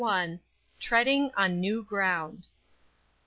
TREADING ON NEW GROUND.